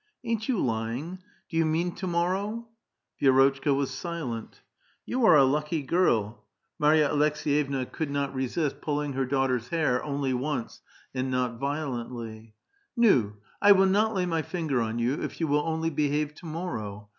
" Ain't you lying? do j'ou mean to morrow? " Vi^rotchka was silent. "You are a lucky girl." Marya Aleks^yevuai coxsXd \icA» 18 A VITAL QUESTION. resist pulling her daugbter*s hair, only once, and not vio lentlv. *' Nu! 1 will not lay my finger on .you if you will only behave to morrow.